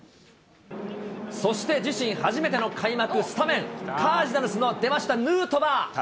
そして自身初めての開幕スタメン、カージナルスの、出ました、ヌートバー。